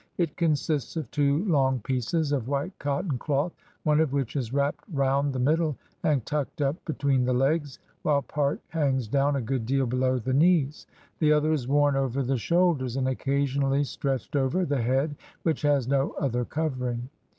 It consists of two long pieces of white cotton cloth, one of which is wrapped round the middle and tucked up between the legs, while part hangs down a good deal below the knees; the other is worn over the shoulders, and occasionally stretched over the head, which has no other covering.